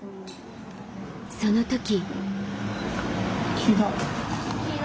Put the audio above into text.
その時。